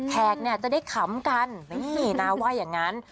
แขกเนี่ยจะได้ขำกันนี่นาว่าอย่างนั้น